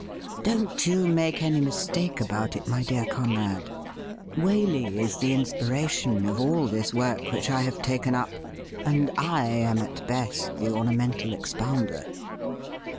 Don't you make any mistake about it, my dear Conrad, Waley is the inspiration of all this work which I have taken up, and I am at best the ornamental expounder.'